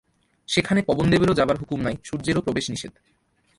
সেখানে পবনদেবেরও যাবার হুকুম নাই, সূর্যেরও প্রবেশ নিষেধ।